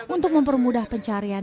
untuk mempermudah pencarian